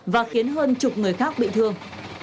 và khiến hơn chục người khác bị thương